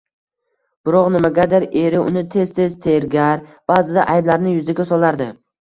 Biroq nimagadir eri uni tez-tez tergar, baʼzida ayblarini yuziga solardi